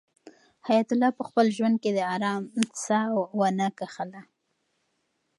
حیات الله په خپل ژوند کې د آرام ساه ونه کښله.